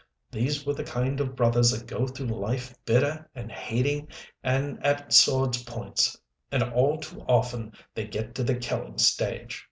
These were the kind of brothers that go through life bitter and hating and at swords' points. And all too often they get to the killing stage."